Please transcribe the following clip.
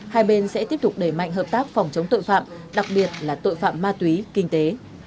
hai bên sẽ tiếp tục đẩy mạnh hợp tác phòng chống tội phạm đặc biệt là tội phạm ma túy kinh tế